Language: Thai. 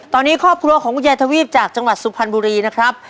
ตอนนี้ครอบครัวของคุณยายทวีปจากจังหวัดสุพรรณบุรีนะครับ